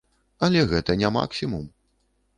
Але гэта не максімум.